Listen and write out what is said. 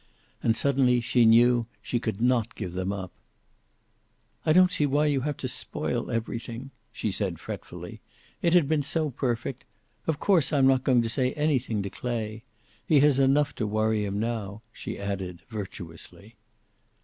And suddenly she knew she could not give them up. "I don't see why you have to spoil everything," she said fretfully. "It had been so perfect. Of course I'm not going to say anything to Clay. He has enough to worry him now," she added, virtuously.